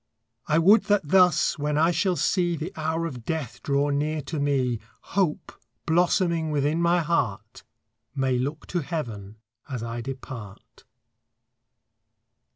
I would that thus, when I shall see The hour of death draw near to me, Hope, blossoming within my heart, May look to heaven as I depart.